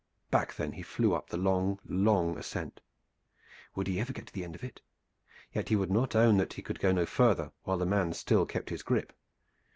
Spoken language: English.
Back then he flew up the long, long ascent. Would he ever get to the end of it? Yet he would not own that he could go no farther while the man still kept his grip.